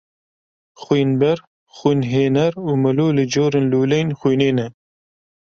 Xwînber, xwînhêner û mûlûle corên lûleyên xwînê ne.